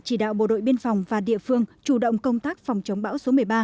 chỉ đạo bộ đội biên phòng và địa phương chủ động công tác phòng chống bão số một mươi ba